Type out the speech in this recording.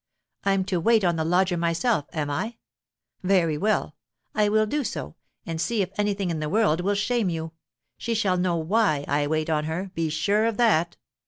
I'm to wait on the lodger myself, am I? Very well! I will do so, and see if anything in the world will shame you. She shall know why I wait on her, be sure of that!"